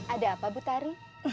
ada apa bu tari